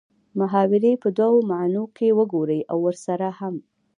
محاورې په دوو معنو کښې وګورئ او ورسره هم